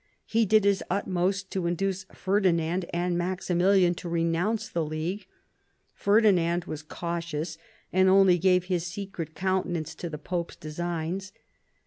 He did his utmost to induce Ferdinand and Maximilian to renounce the League. Ferdinand was cautious, and only gave his secret countenance to the Pope's designs.